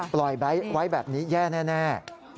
ปล่อยไว้แบบนี้แย่แน่